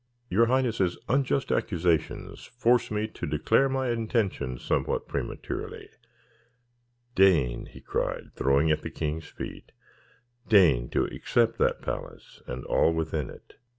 "Your highness's unjust accusations force me to declare my intentions somewhat prematurely. Deign," he cried, throwing at the king's feet, "deign to accept that palace and all within it.